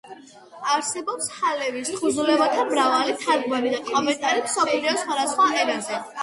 არსებობს ჰალევის თხზულებათა მრავალი თარგმანი და კომენტარი მსოფლიოს სხვადასხვა ენაზე.